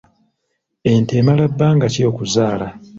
Ente emala bbanga ki okuzaala?